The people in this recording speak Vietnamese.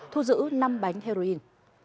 thu giữ năm bánh heroin